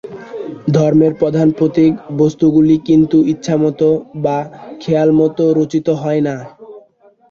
ধর্মের প্রধান প্রতীক-বস্তুগুলি কিন্তু ইচ্ছামত বা খেয়ালমত রচিত হয় নাই।